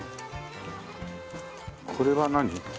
これは何？